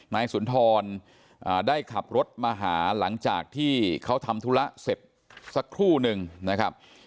นายสุนทรได้ขับรถมาหาหลังจากที่เขาทำธุระเสร็จสักครู่นึงนะครับ